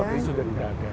kapal ini sudah tidak ada